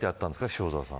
塩澤さん。